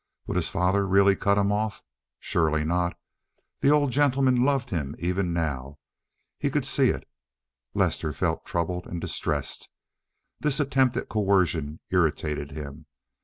Would his father really cut him off? Surely not. The old gentleman loved him even now—he could see it. Lester felt troubled and distressed; this attempt at coercion irritated him.